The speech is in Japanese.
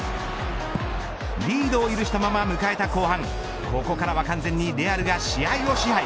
リードを許したまま迎えた後半ここからは完全にレアルが試合を支配。